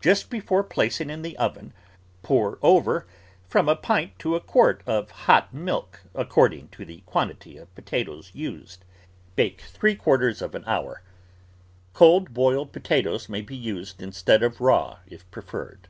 Just before placing in the oven pour over from a ROOT VEGETABLES pint to a quart of hot milk ( according to the quan tity of potatoes used). Bake three quarters of an hour. Cold boiled potatoes may be used instead of raw if preferred.